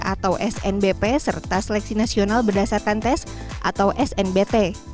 atau snbp serta seleksi nasional berdasarkan tes atau snbt